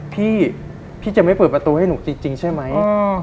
พี่พี่จะไม่เปิดประตูให้หนูจริงใช่ไหม